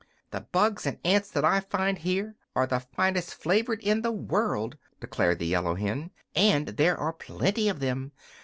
"The bugs and ants that I find here are the finest flavored in the world," declared the yellow hen, "and there are plenty of them.